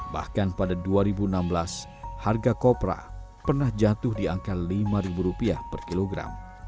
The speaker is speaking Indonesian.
bahkan pada dua ribu enam belas harga kopra pernah jatuh di angka rp lima per kilogram